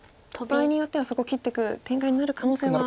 場合によってはそこ切っていく展開になる可能性は。